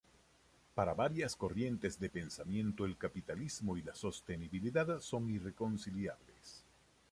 Para varias corrientes de pensamiento el capitalismo y la sostenibilidad son irreconciliables.